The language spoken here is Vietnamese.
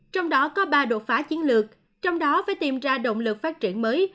trong đó có ba đột phá chiến lược trong đó phải tìm ra động lực phát triển mới